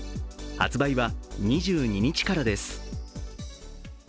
発売は２２日からです。